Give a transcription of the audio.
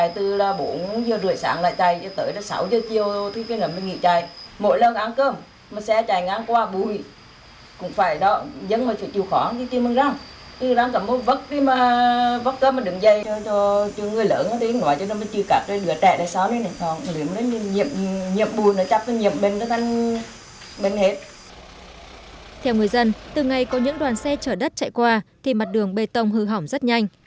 theo người dân từ ngày có những đoàn xe chở đất chạy qua thì mặt đường bê tông hư hỏng rất nhanh